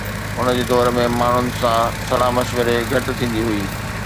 هن جي دور ۾ ماڻهن سان صلاح مشوري گهٽ ٿيندي هئي.